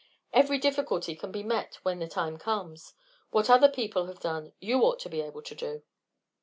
"Every difficulty can be met when the time comes. What other people have done, you ought to be able to do."